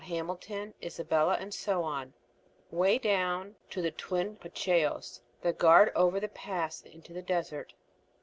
Hamilton, Isabella, and so on, way down to the twin Pachecos that guard the pass over into the desert.